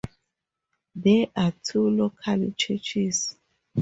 There are two local churches.